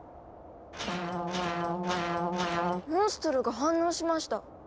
モンストロが反応しました。